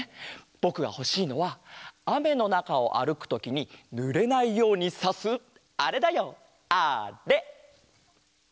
ぼくがほしいのはあめのなかをあるくときにぬれないようにさすあれだよあれ！